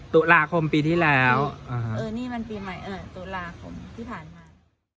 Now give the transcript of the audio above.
ตุลาคมปีที่แล้วนี่มันปีใหม่ตุลาคมที่ผ่านมา